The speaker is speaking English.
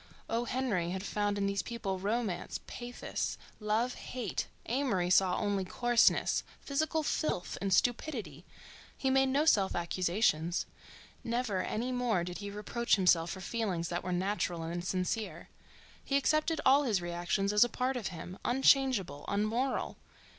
O. Henry had found in these people romance, pathos, love, hate—Amory saw only coarseness, physical filth, and stupidity. He made no self accusations: never any more did he reproach himself for feelings that were natural and sincere. He accepted all his reactions as a part of him, unchangeable, unmoral.